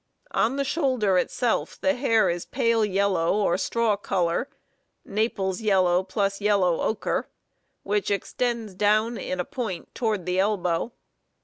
On the shoulder itself the hair is pale yellow or straw color (Naples yellow + yellow ocher), which extends down in a point toward the elbow.